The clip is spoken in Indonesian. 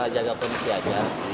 jaga pemusia aja